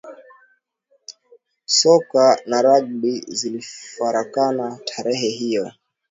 Soka na Ragbi zilifarakana tarehe hiyo